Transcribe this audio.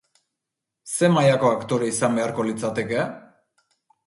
Ze mailako aktore izan beharko litzateke?